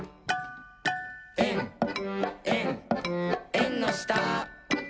「えんえんえんのした」